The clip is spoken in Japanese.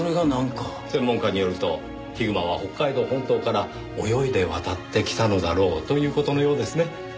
専門家によるとヒグマは北海道本島から泳いで渡ってきたのだろうという事のようですね。